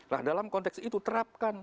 nah dalam konteks itu terapkan